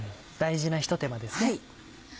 大事なひと手間ですね。